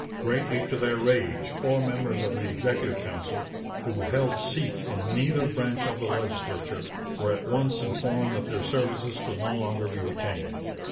Greatly to their rage, four members of the Executive Council, who held seats in neither branch of the legislature, were at once informed that their services could no longer be retained.